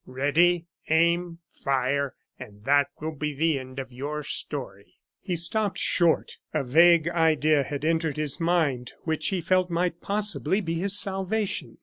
Ready! Aim! Fire! And that will be the end of your story." He stopped short. A vague idea had entered his mind, which he felt might possibly be his salvation.